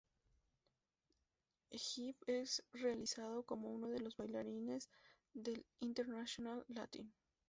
Jive es realizado como uno de los bailes del "International latin".